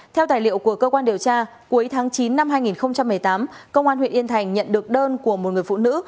theo tài liệu của cơ quan điều tra cuối tháng chín năm hai nghìn một mươi tám công an huyện yên thành nhận được đơn của một người phụ nữ